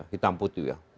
hitam putih ya